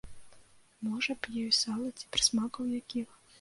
Можа б, ёй сала ці прысмакаў якіх!